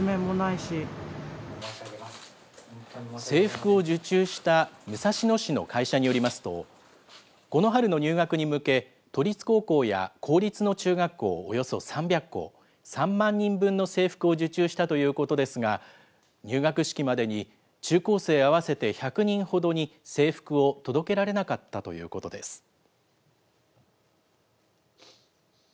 制服を受注した武蔵野市の会社によりますと、この春の入学に向け、都立高校や公立の中学校およそ３００校、３万人分の制服を受注したということですが、入学式までに中高生合わせて１００人ほどに制服を届けられなかったということです。